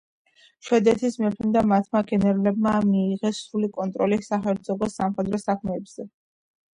შვედეთის მეფემ და მათმა გენერლებმა მიიღეს სრული კონტროლი საჰერცოგოს სამხედრო საქმეებზე.